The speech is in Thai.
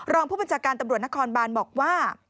รองผู้บัญชาการตำรวจนครบานบอกว่า